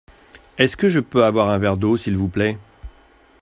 Est-ce que je peux avoir un verre d’eau s’il vous plait ?